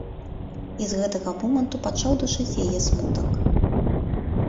І з гэтага моманту пачаў душыць яе смутак.